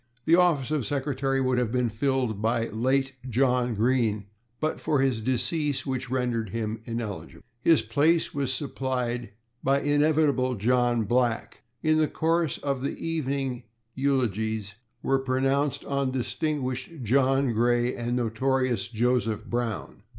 The office of secretary would have been filled by late John Green, but for his decease, which rendered him ineligible. His place was supplied by inevitable John Black. In the course of the evening eulogiums were pronounced on distinguished John Gray and notorious Joseph Brown.